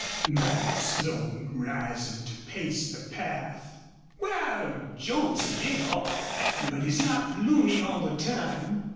muttered Slone, rising to pace the path. "Wal, Joel's a bit off, but he's not loony all the time.